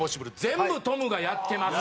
全部トムがやってます。